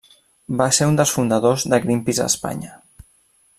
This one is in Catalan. Va ser un dels fundadors de Greenpeace Espanya.